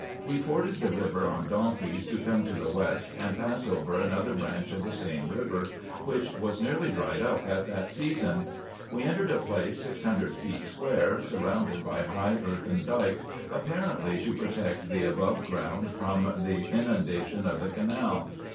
We forded the river on donkeys to come to the west, and pass over another branch of the same river, which was nearly dried up at that season. We entered a place 600 feet square, surrounded by high earthen dikes, apparently to protect IN EGYPT, NUBIA, &c. 379 the above ground from the inundation of the canal.